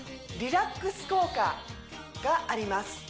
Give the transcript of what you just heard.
リラックス効果があります